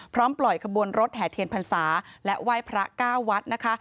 พร้อมปล่อยขบวนรถแห่เทียนพรรษาและไหว้พระเก้าวัดนะคะ